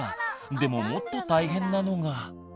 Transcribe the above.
でももっと大変なのが。